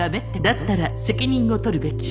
「だったら責任を取るべき」